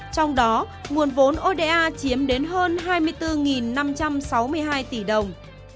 trong đó nguồn vốn oda chiếm đến hơn hai mươi bốn năm trăm sáu mươi hai tỷ đồng